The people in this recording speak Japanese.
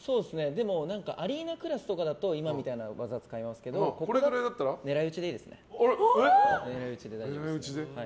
でも、アリーナクラスとかだと今みたいな技を使いますけどこれだったら狙い撃ちでいいですね。